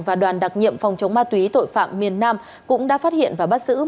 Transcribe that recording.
và đoàn đặc nhiệm phòng chống ma túy tội phạm miền nam cũng đã phát hiện và bắt giữ